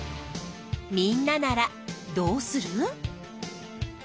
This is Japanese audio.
みんなならどうする？